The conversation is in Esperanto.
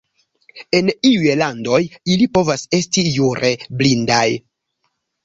En iuj landoj ili povas esti jure blindaj.